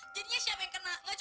jadi yah berhasil